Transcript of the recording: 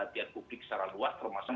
perhatian publik secara luas termasuk